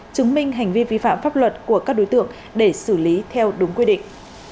chứng minh hành vi vi phạm pháp luật của các đối tượng để xử lý theo đúng quy định